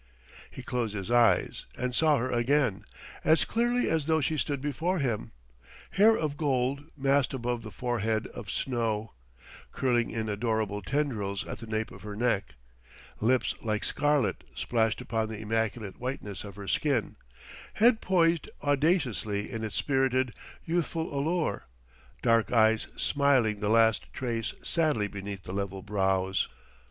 He closed his eyes and saw her again, as clearly as though she stood before him, hair of gold massed above the forehead of snow, curling in adorable tendrils at the nape of her neck, lips like scarlet splashed upon the immaculate whiteness of her skin, head poised audaciously in its spirited, youthful allure, dark eyes smiling the least trace sadly beneath the level brows.